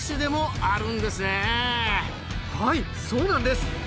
はいそうなんです。